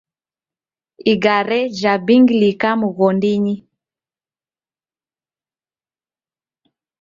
Igare jhabingilika mghondinyi